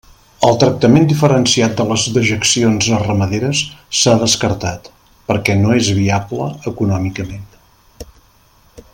El tractament diferenciat de les dejeccions ramaderes s'ha descartat, perquè no és viable econòmicament.